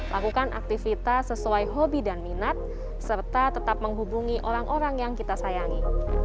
lakukan aktivitas sesuai hobi dan minat serta tetap menghubungi orang orang yang kita sayangi